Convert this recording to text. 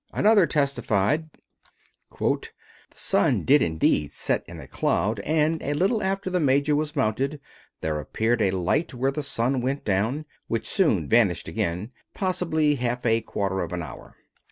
Another testified: "The sun did indeed set in a cloud, and, a little after the major was mounted, there appeared a light where the sun went down, which soon vanished again, possibly half a quarter of an hour."